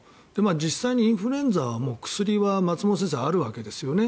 実際にインフルエンザはもう薬は松本先生、あるわけですよね。